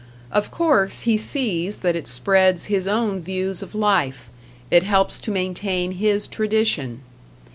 Of course he sees that it spreads his own views of life, it helps to maintain his tradition.